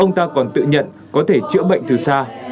ông ta còn tự nhận có thể chữa bệnh từ xa